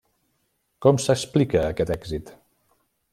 Com s'explica aquest èxit?